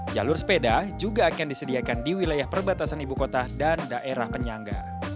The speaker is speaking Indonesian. jalur sepeda juga akan disediakan di wilayah perbatasan ibu kota dan daerah penyangga